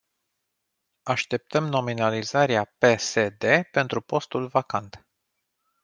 Așteptăm nominalizarea pe se de pentru postul vacant.